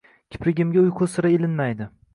Kiprigimga uyqu sira ilinmaydi.